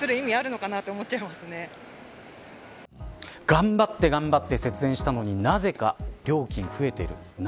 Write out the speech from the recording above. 頑張って頑張って節電したのになぜか料金が増えている。